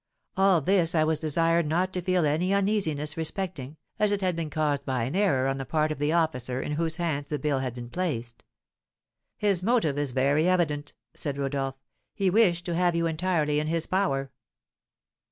All this I was desired not to feel any uneasiness respecting, as it had been caused by an error on the part of the officer in whose hands the bill had been placed." "His motive is very evident," said Rodolph; "he wished to have you entirely in his power."